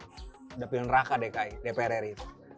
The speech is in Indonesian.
udah pilih neraka dki dprri itu